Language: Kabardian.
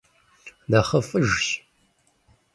НэхъыфӀыжщ!